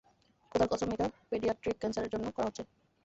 খোদার কসম, এটা পেডিয়াট্রিক ক্যান্সারের জন্য করা হচ্ছে।